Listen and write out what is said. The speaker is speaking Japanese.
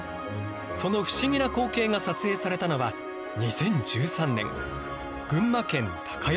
その不思議な光景が撮影されたのは２０１３年。